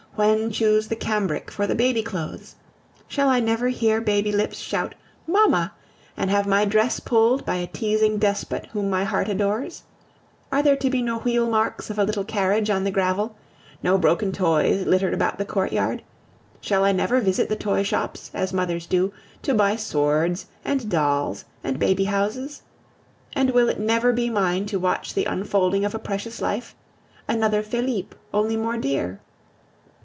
When choose the cambric for the baby clothes? Shall I never hear baby lips shout "Mamma," and have my dress pulled by a teasing despot whom my heart adores? Are there to be no wheelmarks of a little carriage on the gravel, no broken toys littered about the courtyard? Shall I never visit the toy shops, as mothers do, to buy swords, and dolls, and baby houses? And will it never be mine to watch the unfolding of a precious life another Felipe, only more dear?